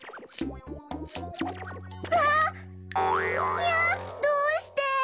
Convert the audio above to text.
いやどうして！